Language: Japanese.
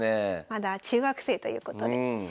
まだ中学生ということで。